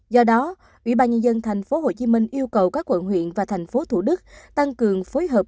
do đó ủy ban nhân dân tp hcm yêu cầu các quận huyện và thành phố thủ đức tăng cường phối hợp